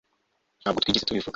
Ntabwo twigeze tubivuga